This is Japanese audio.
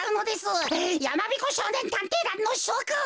やまびこしょうねんたんていだんのしょくん！